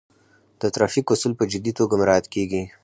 د ترافیک اصول په جدي توګه مراعات کیږي.